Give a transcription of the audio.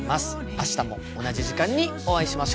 明日も同じ時間にお会いしましょう。